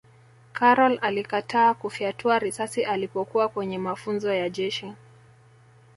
karol alikataa kufyatua risasi alipokuwa kwenye mafunzo ya jeshi